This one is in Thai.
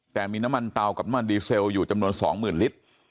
แต่มีน้ำมันเตากับน้ำมันดีเซลอยู่จำนวน๒๐๐๐ลิตร